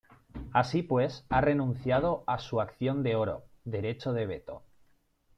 Así pues, ha renunciado a su "acción de oro" derecho de veto.